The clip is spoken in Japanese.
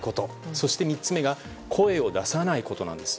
そして３つ目が声を出さないことなんです。